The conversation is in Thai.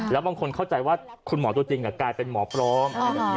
แล้วบางคนเข้าใจว่าคุณหมอตัวจริงกลายเป็นหมอพร้อม